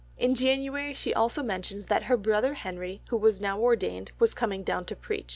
In January also she mentions that her brother Henry, who was now ordained, was coming down to preach.